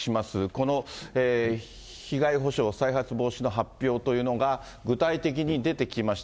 この被害補償、再発防止の発表というのが、具体的に出てきました。